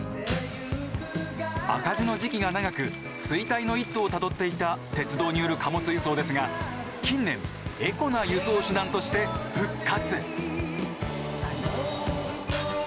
赤字の時期が長く衰退の一途をたどっていた鉄道による貨物輸送ですが近年エコな輸送手段として復活。